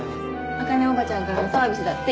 茜おばちゃんからのサービスだって。